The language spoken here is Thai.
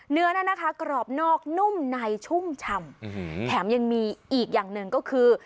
นั่นนะคะกรอบนอกนุ่มในชุ่มฉ่ำแถมยังมีอีกอย่างหนึ่งก็คือ